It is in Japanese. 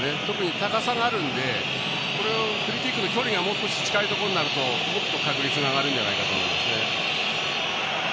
高さがあるのでこれをフリーキックの距離が近いところになるともっと確率が上がるんじゃないかと思います。